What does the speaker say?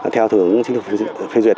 theo thướng chính thức phiên duyệt